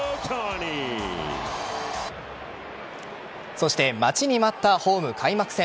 そして待ちに待ったホーム開幕戦。